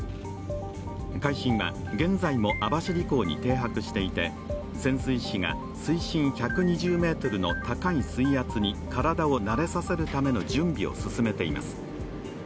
「海進」は現在も網走港に停泊していて潜水士が水深１２０ｍの高い水圧に体を慣れさせるための準備を進めています。